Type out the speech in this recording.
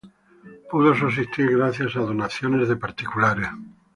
Pudo subsistir gracias a donaciones de particulares.